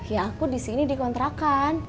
ya aku di sini dikontrakan